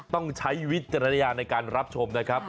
ต้องใช้วิจารณญาณในการรับชมนะครับ